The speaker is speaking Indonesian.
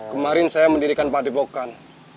kemarin saya mendirikan padebokan